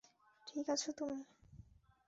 ঠিক আছ তুমি?